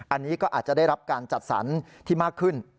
อันนี้ก็อาจจะได้รับการจัดสรรที่มากขึ้น